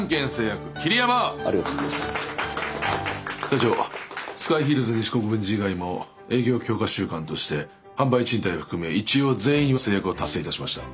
社長スカイヒルズ西国分寺以外も営業強化週間として販売賃貸を含め一応全員成約は達成いたしました。